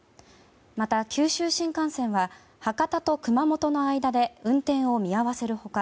また、九州新幹線は博多と熊本の間で運転を見合わせる他